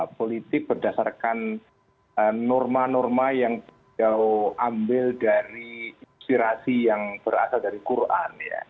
politik berdasarkan norma norma yang beliau ambil dari inspirasi yang berasal dari quran